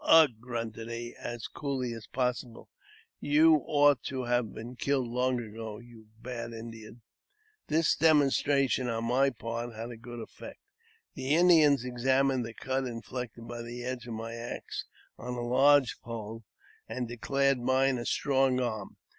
' "Ugh! " grunted he, as coolly as possible, " you ought to have been killed long ago, you bad Indian !" This demonstration on my part had a good effect. The Indians examined the cut inflicted by the edge of my axe on the lodge pole, and declared mine a strong arm.